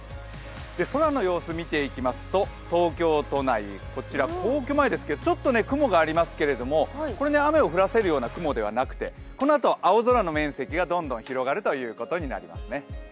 空の様子を見ていきますと東京都内、こちら皇居前ですけれどもちょっと雲がありますけれどもこれは雨を降らせる雲ではなくてこのあと青空の面積がどんどん広がるということになりそうですね。